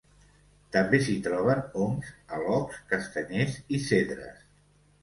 També s'hi troben oms, alocs, castanyers i cedres.